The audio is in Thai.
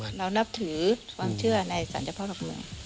เรานับถือความเชื่อในศัลยภาพรบรวม